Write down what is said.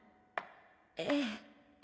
ええ。